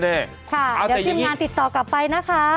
เดี๋ยวทีมงานติดต่อกลับไปนะคะ